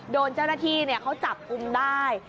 โดนเจ้าหน้าที่เขาจับกุมได้